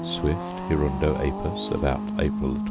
Swift, Hirundo apus: About April 27.